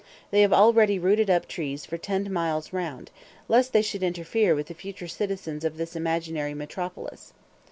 They have already rooted up trees for ten miles round, lest they should interfere with the future citizens of this imaginary metropolis.